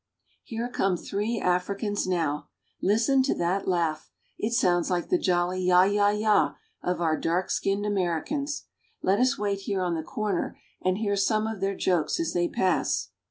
Here come three Africans now. Listen to that laugh. It sounds like the jolly yah! yah! yah! of our dark= skinned Americans. Let us wait here on the corner and hear some of their jokes as they pass.